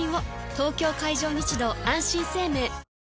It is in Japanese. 東京海上日動あんしん生命